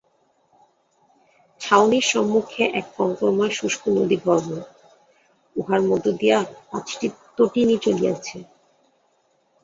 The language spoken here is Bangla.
ছাউনির সম্মুখে এক কঙ্করময় শুষ্ক নদীগর্ভ, উহার মধ্য দিয়া পাঁচটি তটিনী চলিয়াছে।